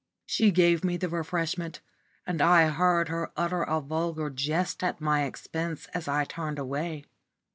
She gave me the refreshment, and I heard her utter a vulgar jest at my expense as I turned away.